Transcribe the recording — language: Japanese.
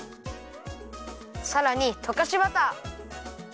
さらにとかしバター。